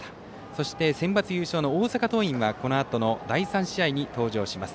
そして、センバツ優勝の大阪桐蔭はこのあとの第３試合に登場します。